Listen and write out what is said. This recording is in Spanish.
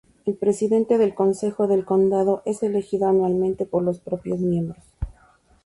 El Presidente del Consejo del condado es elegido anualmente por los propios miembros.